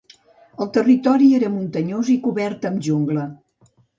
El territori era muntanyós i cobert amb jungla.